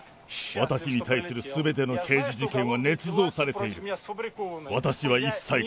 私に対するすべての刑事事件はねつ造されている。